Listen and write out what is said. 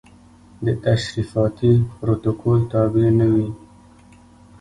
د تشریفاتي پروتوکول تابع نه وي.